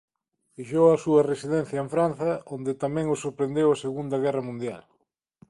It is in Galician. Fixou a súa residencia en Francia onde tamén o sorprendeu a Segunda Guerra Mundial.